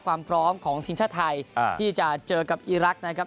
ความพร้อมของทีมชาติไทยที่จะเจอกับอีรักษ์นะครับ